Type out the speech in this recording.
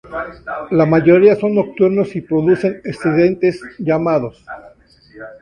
La mayoría son nocturnos y producen estridentes llamados.